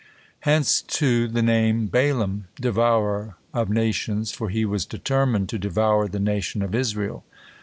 Hence, too, the name Balaam, "Devourer of Nations," for he was determined to devour the nation of Israel.